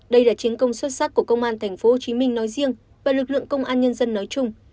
đây là chiến công xuất sắc của công an thành phố hồ chí minh nói riêng và lực lượng công an nhân dân nói chung